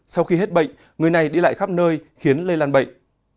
sau khi hết bệnh người này đi lại khắp nơi khiến lây lan bệnh